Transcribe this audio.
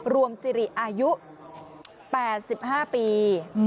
รวมสิริอายุ๘๕ปี